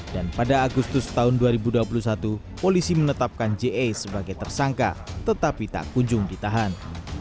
pada agustus tahun dua ribu dua puluh satu polisi menetapkan je sebagai tersangka tetapi tak kunjung ditahan